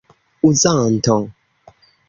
uzanto